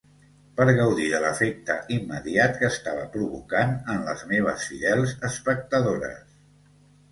Per gaudir de l'efecte immediat que estava provocant en les meves fidels espectadores.